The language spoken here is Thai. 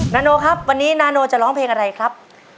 นาโนครับวันนี้นาโนจะร้องเพลงอะไรครับ